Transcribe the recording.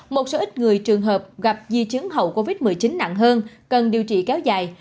một số ít người trường hợp gặp di chứng hậu covid một mươi chín nặng hơn cần điều trị kéo dài